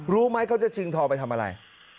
รู้ไหมเขาจะชิงทองไปทำอะไร